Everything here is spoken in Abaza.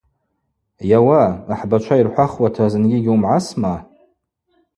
Йауа, ахӏбачваква йырхӏвахуата зынгьи йыгьуымгӏасма?